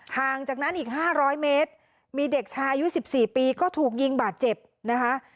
ห่างจากนั้นอีกห้าร้อยเมตรมีเด็กชายุดสิบสี่ปีก็ถูกยิงบาดเจ็บนะคะ